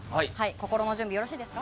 心の準備、よろしいですか。